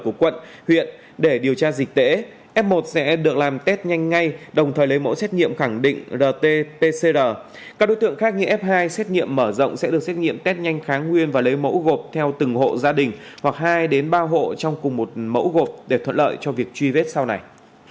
các đối tượng khác như f hai xét nghiệm mở rộng sẽ được xét nghiệm test nhanh kháng nguyên và lấy mẫu gộp theo từng hộ gia đình hoặc hai đến ba hộ trong cùng một mẫu gộp để thuận lợi cho việc truy vết sau này